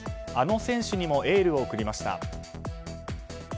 あの選手にもエールを送りました。